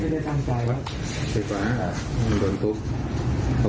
ก็สุดท้ายช่วยแหน่งใจเลยก็นะครับ